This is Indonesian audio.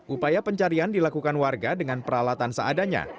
upaya pencarian dilakukan warga dengan peralatan seadanya